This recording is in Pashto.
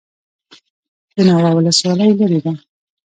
د ناوه ولسوالۍ لیرې ده